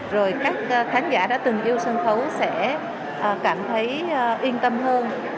rồi các khán giả đã từng yêu sân khấu sẽ cảm thấy yên tâm hơn